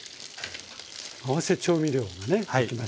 合わせ調味料がね出来ましたが。